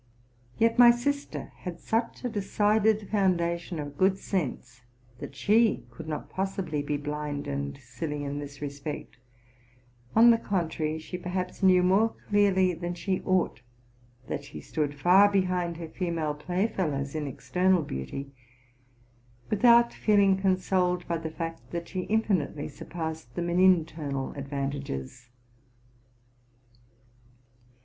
Yet my sister had 190 TRUTH AND FICTION such a decided foundation of good sense, that she could not possibly be blind and silly in this respect; on the contrary, she perhaps knew more clearly than she ought, that she stood far behind her female playfellows in external beauty, with out feeling consoled by the fact that she infinitely surpassed them in internal advantages.